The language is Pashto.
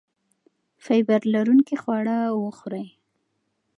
فایبر لرونکي خواړه وخورئ.